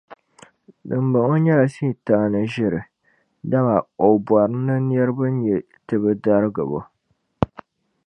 Dimbɔŋɔ nyɛla Sitani ʒiri dama o bori ni niriba nye tibidarigibo.